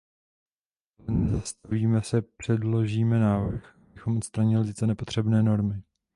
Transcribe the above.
Ale nezastavíme se, předložíme návrh, abychom odstranili tyto nepotřebné normy.